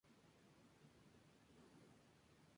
Es el primer canal exclusivo para los menores de edad de China.